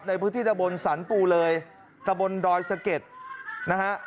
ในพื้นที่ตะบนสรรปูเลยตะบนดอยสะเก็ดนะฮะ